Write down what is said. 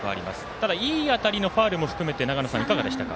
ただ、いい当たりのファウルも含めて長野さん、いかがでしたか。